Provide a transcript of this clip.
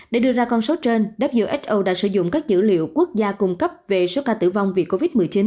để đưa ra con số trên who đã sử dụng các dữ liệu quốc gia cung cấp về số ca tử vong vì covid một mươi chín